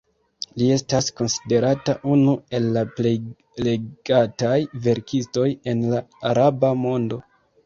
Li estas konsiderata unu el la plej legataj verkistoj en la araba mondo.